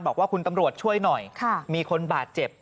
บอกว่าคุณตำรวจช่วยหน่อยมีคนบาดเจ็บ